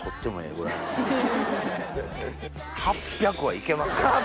８００はいけます？